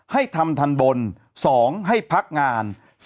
ให้ทำทันบน๒ให้พักงาน